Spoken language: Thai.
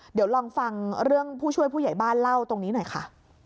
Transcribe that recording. เดี๋ยวลองฟังเรื่องผู้ช่วยผู้ใหญ่บ้านเล่าตรงนี้หน่อยค่ะ